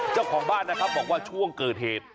เจ้าของบ้านนะครับบอกว่าช่วงเกิดเหตุ